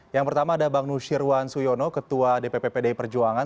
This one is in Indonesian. yang pertama ada bang nusyirwan suyono ketua dpp pdi perjuangan